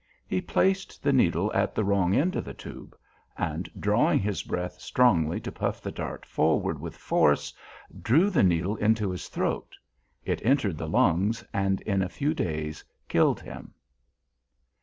He placed the needle at the wrong end of the tube, and drawing his breath strongly to puff the dart forward with force, drew the needle into his throat. It entered the lungs, and in a few days killed him."